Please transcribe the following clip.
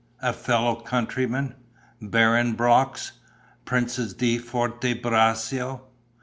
a fellow countryman?... Baron Brox.... Princess di Forte Braccio...."